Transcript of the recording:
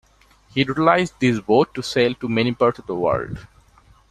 He utilized this boat to sail to many parts of the world.